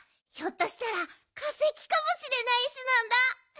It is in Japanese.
ひょっとしたらかせきかもしれない石なんだ。